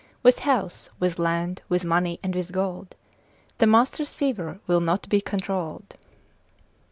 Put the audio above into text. With house, with land, with money, and with gold, The master's fever will not be controll'd.